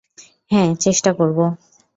হ্যাঁ, চেষ্টা করব।